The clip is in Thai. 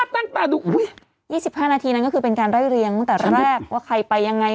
ปั้นตาดู๒๕นาทีนั้นก็คือเป็นการไล่เรียงตั้งแต่แรกว่าใครไปยังไง